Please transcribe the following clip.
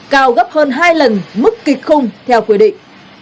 cao gấp hơn hai lần mức kịch khung theo quy định